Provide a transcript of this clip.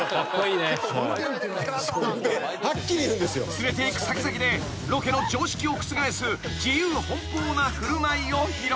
［連れていく先々でロケの常識を覆す自由奔放な振る舞いを披露］